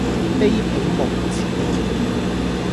卑鄙無恥